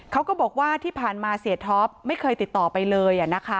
เขาก็บอกว่าที่ผ่านมาเสียท็อปไม่เคยติดต่อไปเลย